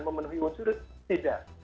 memenuhi unsur tidak